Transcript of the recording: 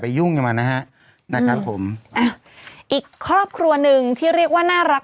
ไปยุ่งไงมานะฮะข้อบครัวหนึ่งที่เรียกว่าน่ารัก